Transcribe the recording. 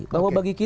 bahwa bagi kita